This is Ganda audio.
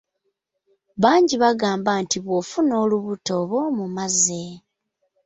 Bangi bagamba nti bw’ofuna olubuto oba omumaze.